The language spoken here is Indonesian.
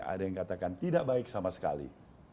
ada yang katakan tidak baik sama sekali